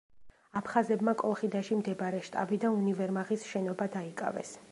აფხაზებმა კოლხიდაში მდებარე შტაბი და უნივერმაღის შენობა დაიკავეს.